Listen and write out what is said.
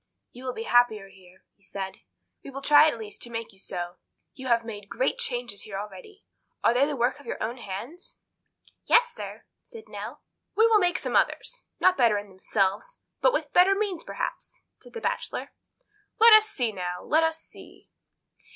"You will be happier here," he said, "We will try, at least, to make you so. You have made great changes here already. Are they the work of your hands?" "Yes, sir," said Nell. "We will make some others—not better in themselves, but with better means, perhaps," said the Bachelor. "Let us see now, let us see."